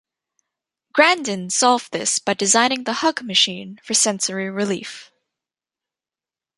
Grandin solved this by designing the hug machine for sensory relief.